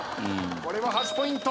これは８ポイント。